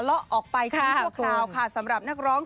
ละออกไปข้างอย่างเรียกสำหรับนักร้อง